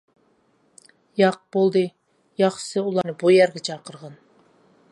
ياق، بولدى، ياخشىسى ئۇلارنى بۇ يەرگە چاقىرغىن.